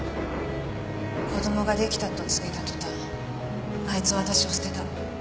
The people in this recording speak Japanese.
子供ができたと告げた途端あいつは私を捨てた。